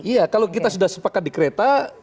iya kalau kita sudah sepakat di kereta